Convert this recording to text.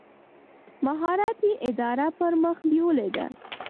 مهارت یې اداره پر مخ بېولې ده.